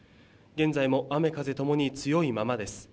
現在も雨風ともに強いままです。